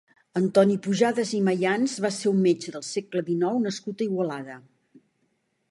Antoni Pujadas i Mayans va ser un metge del segle dinou nascut a Igualada.